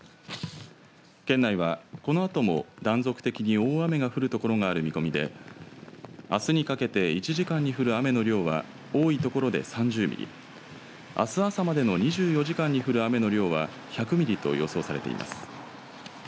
県内は、このあとも断続的に大雨が降るところがある見込みであすにかけて１時間に降る雨の量は多いところで３０ミリあす朝までの２４時間に降る雨の量は１００ミリと予想されています。